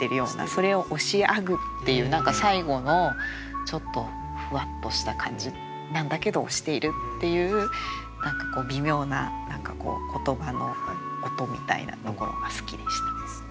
それを「押し上ぐ」っていう何か最後のちょっとふわっとした感じなんだけど押しているっていう何か微妙な言葉の音みたいなところが好きでした。